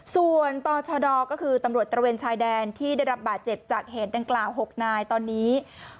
ส่วนต่อชดก็คือตำรวจตระเวนชายแดนที่ได้รับบาดเจ็บจากเหตุดังกล่าว๖นายตอนนี้